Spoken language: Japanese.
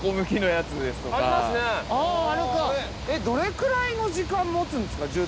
どれくらいの時間持つんですか？